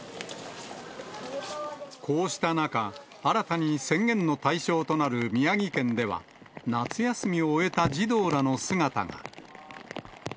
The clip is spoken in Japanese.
こうした中、新たに宣言の対象となる宮城県では、夏休みを終えた児童らの姿が。